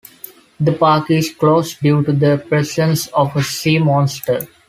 The park is closed due to the presence of a sea monster.